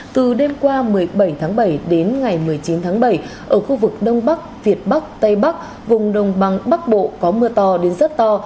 từ đêm qua một mươi bảy tháng bảy đến ngày một mươi chín tháng bảy ở khu vực đông bắc việt bắc tây bắc vùng đông băng bắc bộ có mưa to đến rất to